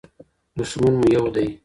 دښمن مو يو دی.